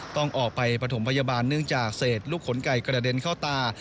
ต้องออกไปปฐมพยาบาลเนื่องจากเศษลูกขนไก่กระเด็นเข้าตา